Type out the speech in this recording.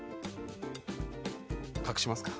隠しますか。